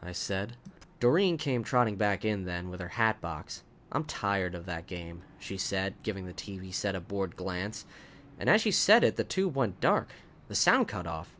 I said. Doreen came trotting back in then, with her hat box. "I'm tired of that game," she said, giving the TV set a bored glance. And as she said it the tube went dark. The sound cut off.